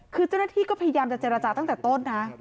คือเจ้าหน้าที่ก็พยายามจะเจรจาตั้งแต่ต้นนะ